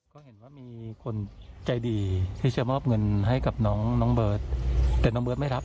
ไปมาจอด่าเชื่อเด็กน้องเบิร์ตเลยครับ